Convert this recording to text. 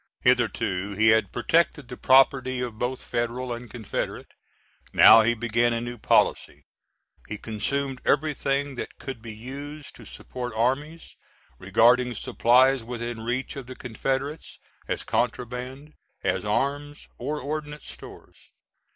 Hitherto, he had protected the property of both Federal and Confederate. Now he began a new policy; he consumed everything that could be used to support armies, regarding supplies within reach of the Confederates as contraband as arms or ordnance stores.